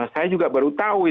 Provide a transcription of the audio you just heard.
saya juga baru tahu